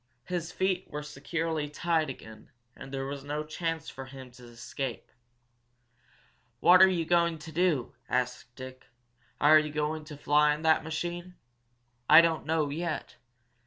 His feet were securely tied again, and there was no chance for him to escape. "What are you going to do?" asked Dick. "Are you going to try to fly in that machine?" "I don't know, yet.